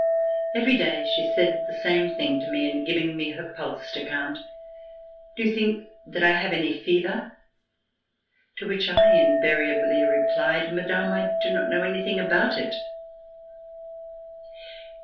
Every day she said the same thing to me C366] AN AUDIENCE WITH NAPOLEON in giving nie her pulse tu count: " iJo y(ju think that I have any fever?" to which I invariably replied: "Madame, I do not know anything about it."